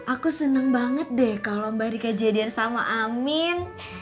aku senang banget deh kalau mbak rika jadian sama amin